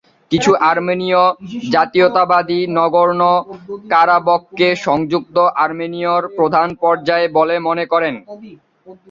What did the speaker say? কিছু আর্মেনীয় জাতীয়তাবাদী নাগোর্নো-কারাবাখকে "সংযুক্ত আর্মেনিয়ার প্রথম পর্যায়" বলে মনে করেন।